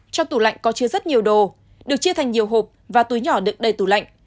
trong tủ lạnh có chứa rất nhiều đồ được chia thành nhiều hộp và túi nhỏ đựng đầy tủ lạnh